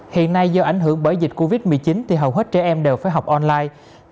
hiện nay do ảnh hưởng bởi dịch covid một mươi chín thì hầu hết trẻ em đều phải học online